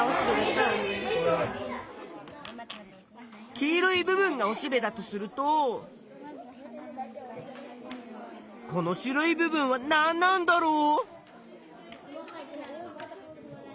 黄色い部分がおしべだとするとこの白い部分はなんなんだろう？